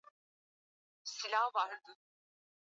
Lakini serekali ya waziri mkuu Tayyip Erdogan yaonesha